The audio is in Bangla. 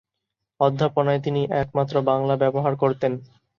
অধ্যাপনায় তিনি একমাত্র বাংলা ব্যবহার করতেন।